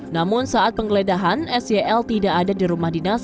namun saat penggeledahan sel tidak ada di rumah dinas